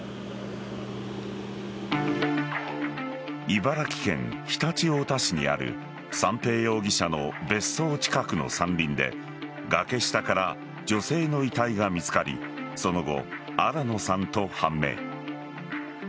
茨城県常陸太田市にある三瓶容疑者の別荘近くの山林で崖下から女性の遺体が見つかりその後、新野さんと判明。